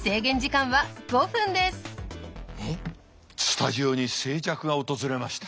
スタジオに静寂が訪れました。